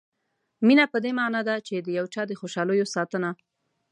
مینه په دې معنا ده چې د یو چا د خوشالیو ساتنه.